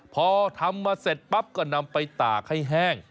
พอทำมาเสร็จปั๊บก็นำไปตากให้แห้ง